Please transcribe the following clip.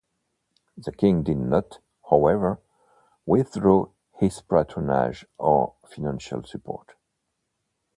The king did not, however, withdraw his patronage or financial support.